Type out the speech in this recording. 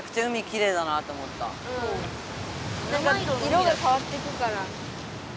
色がかわってくから。